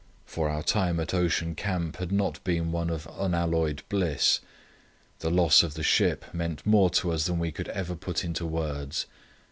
For our time at Ocean Camp had not been one of unalloyed bliss. The loss of the ship meant more to us than we could ever put into words.